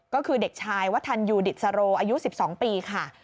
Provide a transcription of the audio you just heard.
ก็คือเด็กชายวัฒนยูดิสโรอายุ๑๒ปีค่ะ